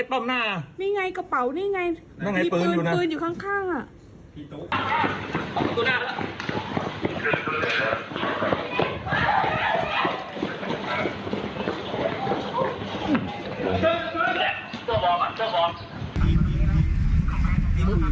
อันนี้มันคือส่วนที่เราอยู่ของอิงทั้งในมาแล้วเนี่ย